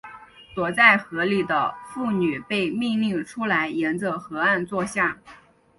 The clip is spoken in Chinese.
躲在河里的妇女被命令出来沿着河岸坐下。